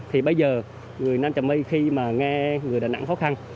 thì bây giờ người nam trà my khi mà nghe người đà nẵng khó khăn